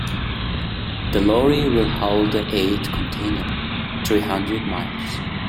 The lorry will haul the aid container three hundred miles.